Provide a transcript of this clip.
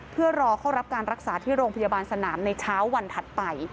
เพื่อรอเข้ารับการรักษาที่โรงพยาบาลสนามในเช้าวันถัดไป